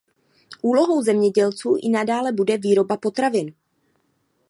Úlohou zemědělců i nadále bude výroba potravin.